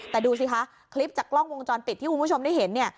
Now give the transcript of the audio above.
แต่ดูสิคะคลิปจากกล้องวงจรปิดที่คุณผู้ชมได้เห็นเนี่ย